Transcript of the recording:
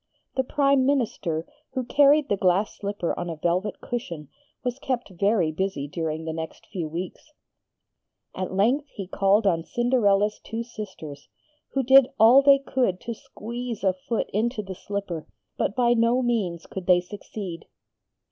The Prime Minister, who carried the glass slipper on a velvet cushion, was kept very busy during the next few weeks. At length he called on Cinderella's two sisters, who did all they could to squeeze a foot into the slipper, but by no means could they succeed.